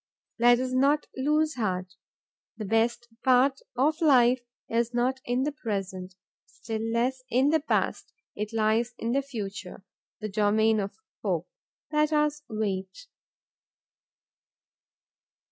Let us not lose heart. The best part of life is not in the present, still less in the past; it lies in the future, the domain of hope. Let us wait.